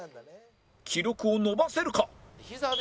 記録を伸ばせるか！？